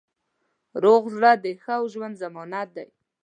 روغ زړه د ښه ژوند ضمانت دی.